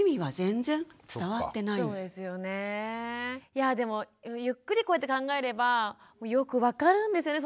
いやあでもゆっくりこうやって考えればよく分かるんですよね